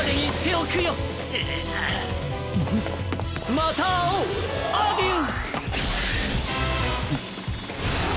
またあおうアデュー！